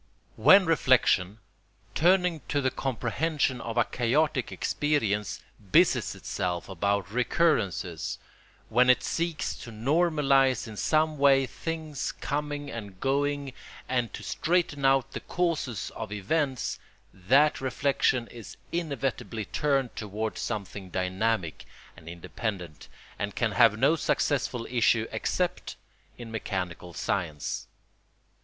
] When reflection, turning to the comprehension of a chaotic experience, busies itself about recurrences, when it seeks to normalise in some way things coming and going, and to straighten out the causes of events, that reflection is inevitably turned toward something dynamic and independent, and can have no successful issue except in mechanical science.